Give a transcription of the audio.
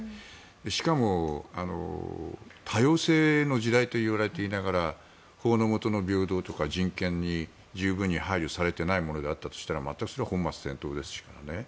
しかも、多様性の時代といわれていながら法のもとの平等とか人権に十分に配慮されていないものであったりしたら全くそれは本末転倒ですからね。